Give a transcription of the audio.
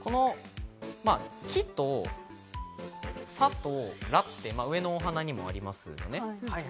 この「き」と「さ」と「ら」って上のお花にもありますよね。